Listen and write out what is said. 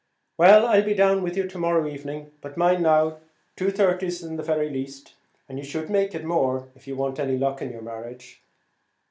Well, I'll be down with you to morrow evening; but mind now, two thirties is the very least; and you should make it more, if you want any luck in your marriage."